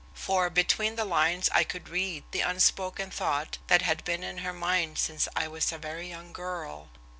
For between the lines I could read the unspoken thought that had been in her mind since I was a very young girl.